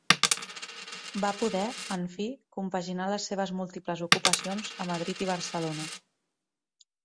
Va poder, en fi, compaginar les seves múltiples ocupacions a Madrid i Barcelona.